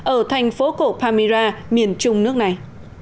ở thành phố cổ pamira miền trung nước này